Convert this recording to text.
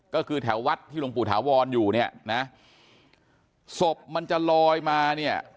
ก็คือแถววัดที่หลวงปู่ถาวรอยู่เนี่ยนะศพมันจะลอยมาเนี่ย